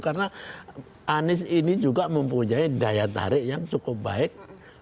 karena anis ini juga mempunyai daya tarik yang cukup baik